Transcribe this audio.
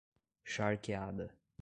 Charqueada